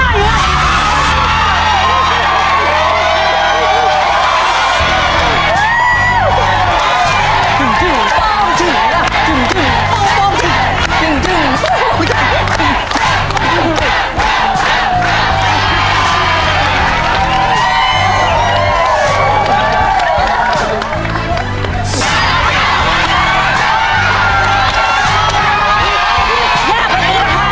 ย่าเวียนทำได้หรือไม่ได้ครับ